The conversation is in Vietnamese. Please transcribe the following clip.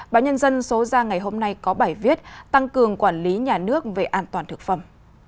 báo nhân dân số ra ngày hôm nay có bài viết tăng cường quản lý nhà nước về an toàn thực phẩm